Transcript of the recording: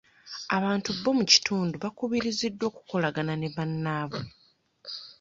Abantu bo mu kitundu baakubiriziddwa okukolagana ne bannaabwe.